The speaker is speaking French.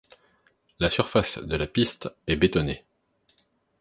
La surface de la piste est bétonnée.